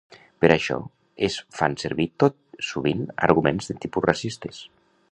Per això, es fan servir tot sovint arguments de tipus racistes.